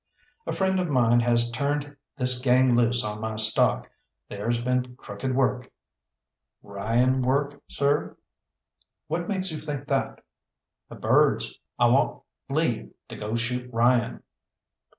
"A friend of mine has turned this gang loose on my stock. There's been crooked work." "Ryan work, sir?" "What makes you think that?" "The birds. I want leave to go shoot Ryan."